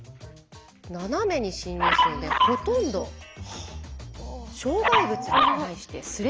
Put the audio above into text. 斜めに進入するのでほとんど障害物に対してスレスレ。